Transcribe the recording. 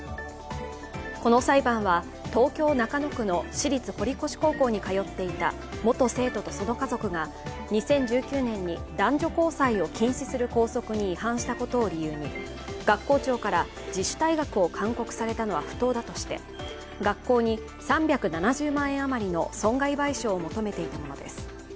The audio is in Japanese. この裁判は、東京・中野区の私立堀越高校に通っていた元生徒と、その家族が２０１９年に男女交際を禁止する校則に違反したことを理由に学校長から自主退学を勧告されたのは不当だとして学校に３７０万円余りの損害賠償を求めていたものです。